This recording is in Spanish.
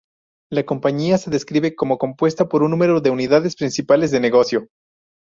La compañía se describe como compuesta por un número de unidades principales de negocio.